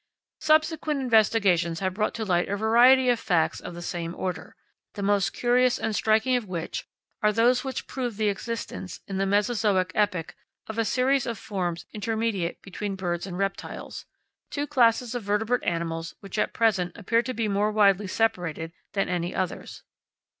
Subsequent investigations have brought to light a variety of facts of the same order, the most curious and striking of which are those which prove the existence, in the mesozoic epoch, of a series of forms intermediate between birds and reptiles two classes of vertebrate animals which at present appear to be more widely separated than any others.